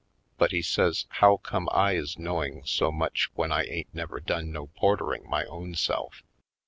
But he says how come I is knowing so much when I ain't never done no portering my own self.